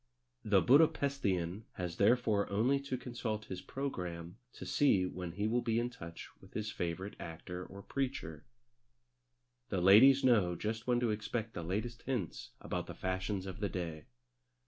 The Buda Pesthian has therefore only to consult his programme to see when he will be in touch with his favourite actor or preacher. The ladies know just when to expect the latest hints about the fashions of the day.